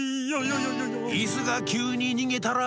「イスがきゅうににげたら」